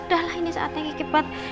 udah lah ini saatnya kekibat